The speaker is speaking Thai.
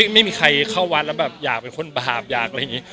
ไม่มีใครเข้าวัดแล้วแบบอยากเป็นคนบาปอยากอะไรอย่างนี้